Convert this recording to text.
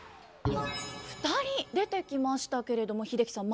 ２人出てきましたけれども英樹さん